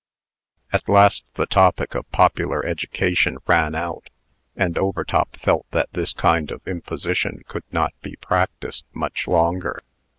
At last the topic of Popular Education ran out; and Overtop felt that this kind of imposition could not be practised much longer.